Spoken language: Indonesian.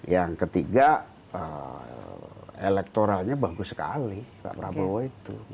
yang ketiga elektoralnya bagus sekali pak prabowo itu